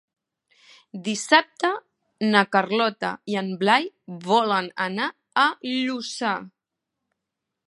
Dissabte na Carlota i en Blai volen anar a Lluçà.